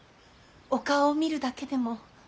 お顔を見るだけでも。